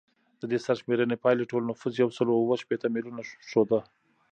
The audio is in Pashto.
د دې سرشمېرنې پایلې ټول نفوس یو سل اووه شپیته میلیونه ښوده